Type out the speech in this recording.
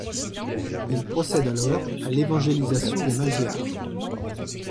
Ils procèdent alors à l’évangélisation des Magyars.